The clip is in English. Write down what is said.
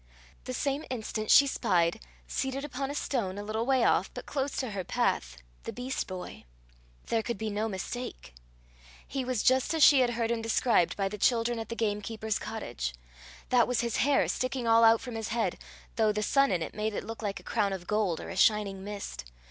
The same instant she spied, seated upon a stone, a little way off, but close to her path, the beast boy. There could be no mistake. He was just as she had heard him described by the children at the gamekeeper's cottage. That was his hair sticking all out from his head, though the sun in it made it look like a crown of gold or a shining mist.